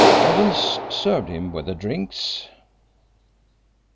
Evans served him with the drinks."